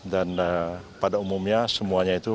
dan pada umumnya semuanya itu